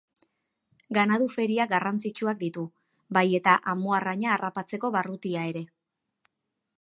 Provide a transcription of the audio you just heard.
Ganadu-feria garrantzitsuak ditu, bai eta amuarraina harrapatzeko barrutia ere.